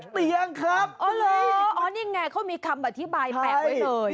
เตียงครับโอ้โหนี่ไงเขามีคำอธิบายแปลกไว้เลย